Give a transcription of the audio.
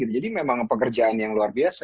memang pekerjaan yang luar biasa